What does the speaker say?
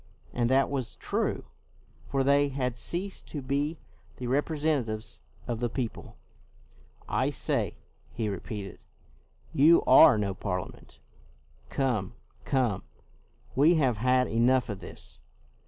And that was true, for they had ceased to be the representatives of the people. " I say," he repeated, " you are no Parliament. Come, come, we have had enough of this.